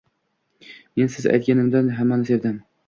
Men siz aytgandayin hammani sevdim